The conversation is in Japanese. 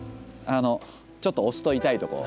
ちょっと押すと痛いとこ。